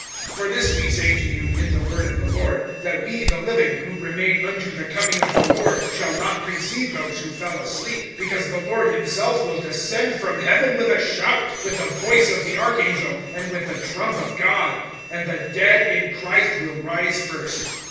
(15)For this we say to you, in the word of the Lord, that we the living, who remain unto the coming of the Lord, shall not precede those who fell asleep. (16)Because the Lord himself will descend from heaven with a shout, with the voice of the archangel, and with the trump of God; and the dead in Christ will first rise.